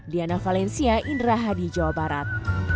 diana valencia indra hadi jawa barat